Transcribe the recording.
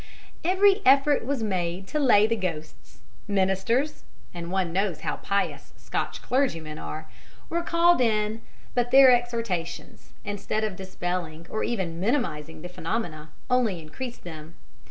Every effort was made to lay the ghosts. Ministers and one knows how pious Scotch clergymen are were called in, but their exhortations, instead of dispelling or even minimizing the phenomena, only increased them.